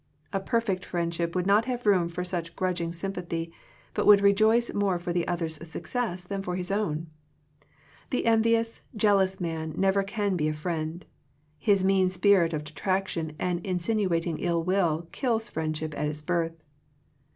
A perfect friendship would not have room for such grudging sympathy, but would rejoice more for the other's success than for his own. The en vious, jealous man never can be a friend. His mean spirit of detraction and insinuating ill will kills friendship at its birth.